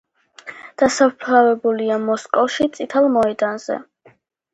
დასაფლავებულია მოსკოვში, წითელ მოედანზე.